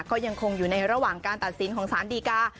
ก็ยังคงอยู่ในระหว่างการตัดสินของสารดีกา